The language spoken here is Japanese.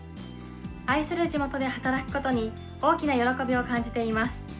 愛する地元で働くことに大きな喜びを感じています。